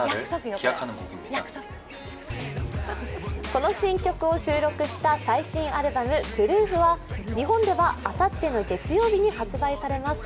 この新曲を収録した最新アルバム「Ｐｒｏｏｆ」は日本ではあさっての月曜日に発売されます。